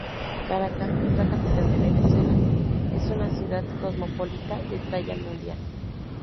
Caracas es la capital de Venezuela, es una ciudad cosmopolita de talla mundial.